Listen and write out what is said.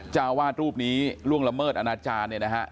เจ้าวาดรูปนี้ล่วงละเมิดอนาจารย์เนี่ยนะฮะ